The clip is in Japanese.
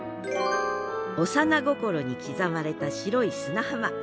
幼心に刻まれた白い砂浜。